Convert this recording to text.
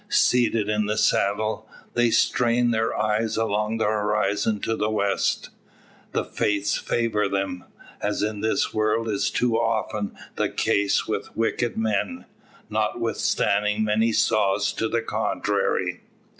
Seated in the saddle, they strain their eyes along the horizon to the west. The Fates favour them; as in this world is too often the case with wicked men, notwithstanding many saws to the contrary.